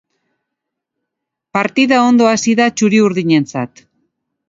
Partida ondo hasi da txuri-urdinentzat.